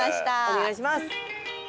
お願い致します。